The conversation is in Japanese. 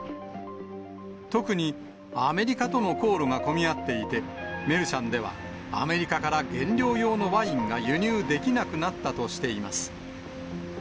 特にアメリカとの航路が混み合っていて、メルシャンでは、アメリカから原料用のワインが輸入できなくなったとしています。